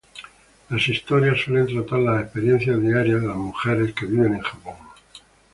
Las historias suelen tratar las experiencias diarias de las mujeres que viven en Japón.